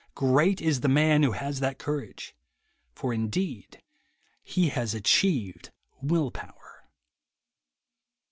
Great is the man who has that courage, for he indeed has achieved will power.